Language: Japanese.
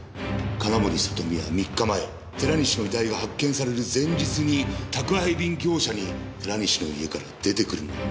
金森里美は３日前寺西の遺体が発見される前日に宅配便業者に寺西の家から出てくるのを目撃されていました。